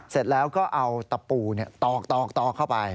เสร็จแล้วก็เอาตะปูตอกเข้าไป